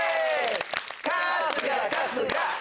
春日春日！